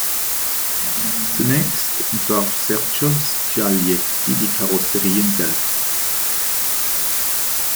Zunächst entwarf Sergio Scaglietti die Karosserien selbst.